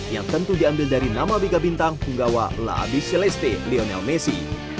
yang tentu diambil dari nama biga bintang bunggawa la biceleste lionel messi